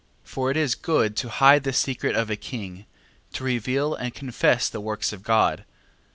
12:7. For it is good to hide the secret of a king: to reveal and confess the works of God.